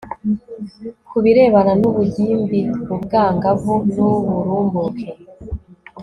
ku birebana n ubugimbiubwangavu n uburumbuke